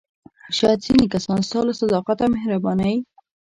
شاید ځینې کسان ستا له صداقت او مهربانۍ.